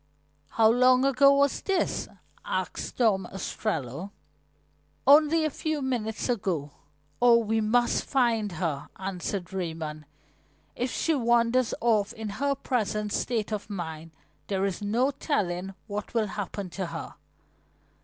"How long ago was this?" asked Tom Ostrello. "Only a few minutes ago. Oh, we must find her," answered Raymond. "If she wanders off in her present state of mind there is no telling what will happen to her."